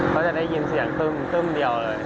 เขาจะได้ยินเสียงตึ่งเต้มเดียวเลย